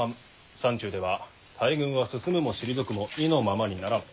山中では大軍は進むも退くも意のままにならん。